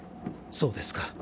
そうですか。